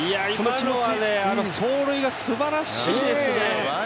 今のは走塁がすばらしいですね！